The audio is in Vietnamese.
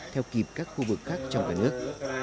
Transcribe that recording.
theo kịp các khu vực khác trong cả nước